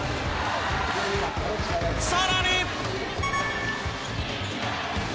さらに！